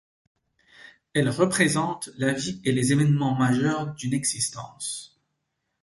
Elle représente la vie et les événements majeurs d'une existence.